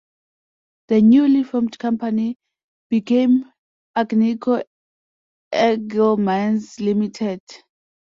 The newly formed company became Agnico Eagle Mines Limited.